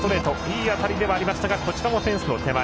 いい当たりではありましたがこちらもフェンスの手前。